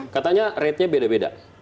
katanya ratenya beda beda